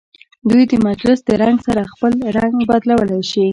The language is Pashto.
دوی د مجلس د رنګ سره خپل رنګ بدلولی شي.